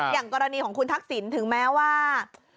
อย่างกรณีของคุณทักษิณถึงแม้ว่า